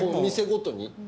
店ごとに？